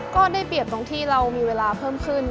ก็ได้เปรียบตรงที่เรามีเวลาเพิ่มขึ้น